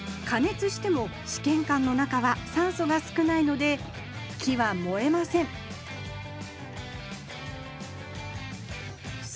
つしてもしけんかんの中は酸素が少ないので木は燃えませんす